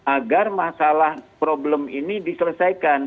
agar masalah problem ini diselesaikan